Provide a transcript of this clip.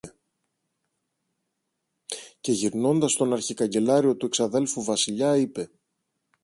Και γυρνώντας στον αρχικαγκελάριο του εξαδέλφου Βασιλιά είπε